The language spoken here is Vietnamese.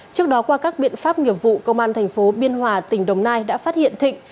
trước đó qua các biện pháp nghiệp vụ công an thành phố biên hòa tỉnh đồng nai đã phát hiện thịnh